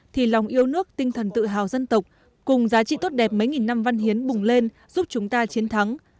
thì lòng yêu nước tinh thần tự hào dân tộc cùng giá trị tốt đẹp mấy nghìn năm văn hiến bùng lên giúp chúng ta chiến thắng